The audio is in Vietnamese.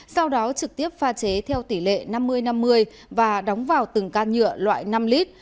sau đó trực tiếp pha chế theo tỷ lệ năm mươi năm mươi và đóng vào từng can nhựa loại năm lít